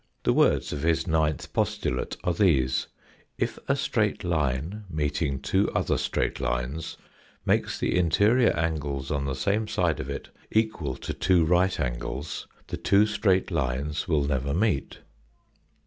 The words of his ninth postulate are these :" If a straight line meeting two other straight lines makes the interior angles on the same side of it equal to two right angles, the two straight lines will never meet."